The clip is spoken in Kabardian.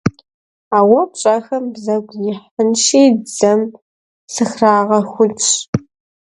А уэ пщӏэхэм бзэгу яхьынщи, дзэм сыхрагъэхунщ.